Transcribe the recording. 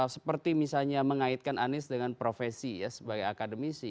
seperti misalnya mengaitkan anies dengan profesi ya sebagai akademisi